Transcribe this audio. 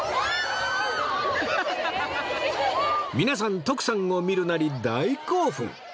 皆さん徳さんを見るなり大興奮！